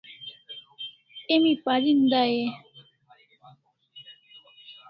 Emi parin dai e ?